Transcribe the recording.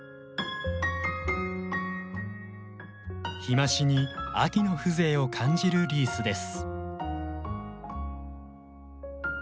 日増しに秋の風情を感じるリースです。